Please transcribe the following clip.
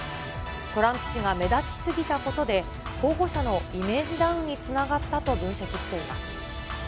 トランプ氏が目立ちすぎたことで、候補者のイメージダウンにつながったと分析しています。